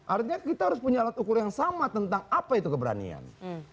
artinya kita harus punya alat ukur yang sama tentang apa itu keberanian